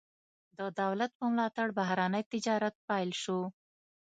د دولت په ملاتړ بهرنی تجارت پیل شو.